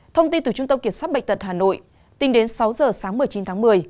thông tin từ trung tâm kiểm soát bệnh tật hà nội tính đến sáu giờ sáng một mươi chín tháng một mươi